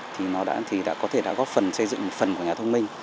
thì nó đã có thể góp phần xây dựng một phần của nhà thông minh